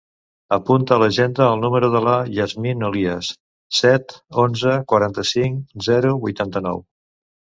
Apunta a l'agenda el número de la Yasmin Olias: set, onze, quaranta-cinc, zero, vuitanta-nou.